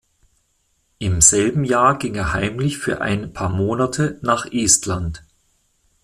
Im selben Jahr ging er heimlich für ein paar Monate nach Estland.